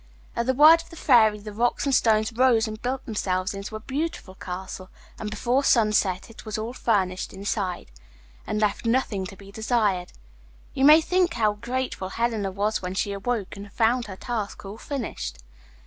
At the word of the Fairy the rocks and stones rose and built themselves into a beautiful castle, and before sunset it was all furnished inside, and left nothing to be desired. You may think how grateful Helena was when she awoke and found her task all finished.